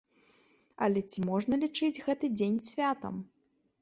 Але ці можна лічыць гэты дзень святам?